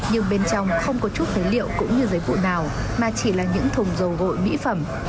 nhưng bên trong không có chút phế liệu cũng như giấy vụ nào mà chỉ là những thùng dầu gội mỹ phẩm